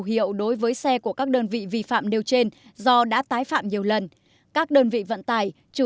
hiệu đối với xe của các đơn vị vi phạm nêu trên do đã tái phạm nhiều lần các đơn vị vận tải chủ